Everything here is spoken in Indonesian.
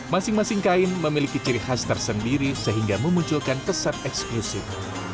masing masing kain memiliki ciri khas tersendiri sehingga memunculkan kesan eksklusif